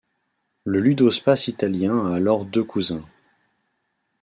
Le ludospace italien a alors deux cousins.